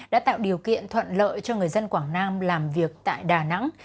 đã tạo điều kiện thuận lợi cho người dân quảng nam làm việc tại đà nẵng